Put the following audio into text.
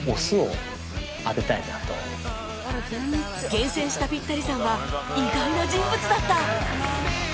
厳選したピッタリさんは意外な人物だった